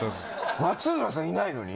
松村さんいないのに？